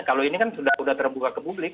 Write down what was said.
kalau ini kan sudah terbuka ke publik